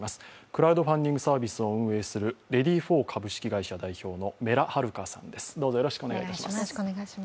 クラウドファンディングサービスを運営するＲＥＡＤＹＦＯＲ株式会社代表の米良はるかさんです。